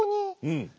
うん。